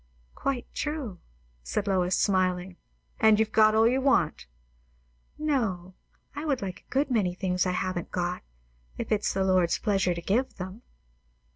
"Quite true," said Lois, smiling. "And you've got all you want?" "No, I would like a good many things I haven't got, if it's the Lord's pleasure to give them."